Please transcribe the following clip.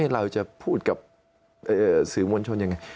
เราจะพูดกับสื่อมวลชนยังไง